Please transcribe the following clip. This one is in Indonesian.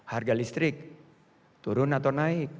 harga listrik turun atau naik